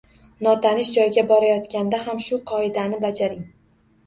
Notanish joyga borayotganda ham shu qoidani bajaring.